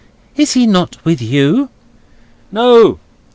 Is he not with you?" "No.